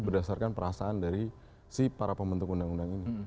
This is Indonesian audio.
berdasarkan perasaan dari si para pembentuk undang undang ini